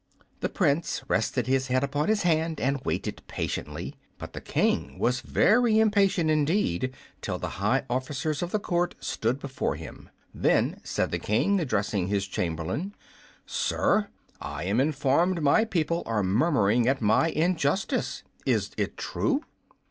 The Prince rested his head upon his hand and waited patiently, but the King was very impatient indeed till the high officers of the court stood before him. Then said the King, addressing his Chamberlain, "Sir, I am informed my people are murmuring at my injustice. Is it true?"